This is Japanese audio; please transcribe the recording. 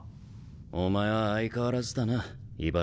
お前は相変わらずだなイバラキ。